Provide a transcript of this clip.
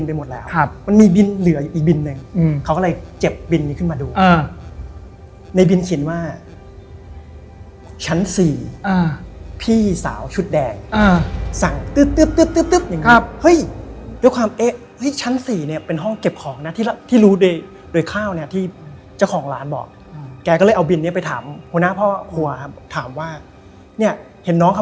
ผมก็สำรวจห้องเป็นห้องโล่งที่เก็บของ